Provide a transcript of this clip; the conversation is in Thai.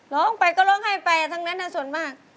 ร้องไปก็ร้องไห้ไปทั้งนั้นส่วนมาก